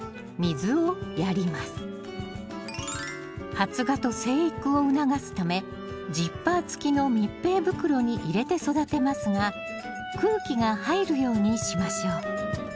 発芽と生育を促すためジッパー付きの密閉袋に入れて育てますが空気が入るようにしましょう。